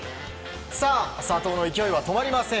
佐藤の勢いは止まりません。